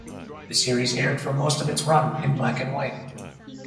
The series aired for most of its run in black-and-white.